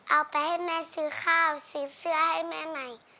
เอาไปให้แม่ซื้อข้าวซื้อเสื้อให้แม่หน่อย